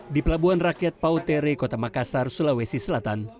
di pelabuhan rakyat pautere kota makassar sulawesi selatan